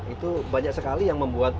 itu banyak sekali yang membuat